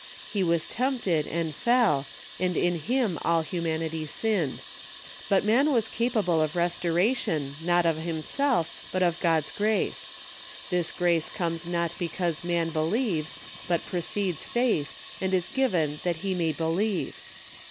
He was tempted and fell, and in him all humanity sinned. But man was capable of restoration, not of himself, but of God's grace. This grace comes not because man believes, but precedes faith, and is given that he may believe.